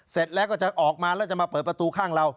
เสร็จแล้วก็จะออกมาแล้วจะมาเปิดประตูข้างเรา